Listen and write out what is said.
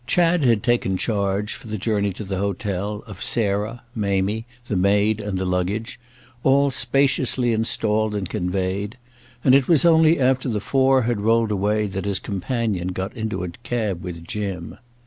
Chad had taken charge, for the journey to the hotel, of Sarah, Mamie, the maid and the luggage, all spaciously installed and conveyed; and it was only after the four had rolled away that his companion got into a cab with Jim.